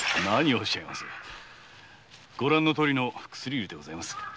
何をおっしゃいます。